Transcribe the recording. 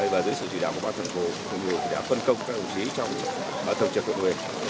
và dưới sự chỉ đạo của ban thường hồ thường hồ đã phân công các ủy trí trong tổ chức huyện huyện